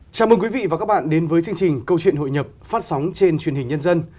chào mừng quý vị và các bạn đến với chương trình câu chuyện hội nhập phát sóng trên truyền hình nhân dân